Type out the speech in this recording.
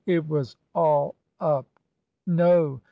It was all up. No!